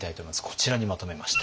こちらにまとめました。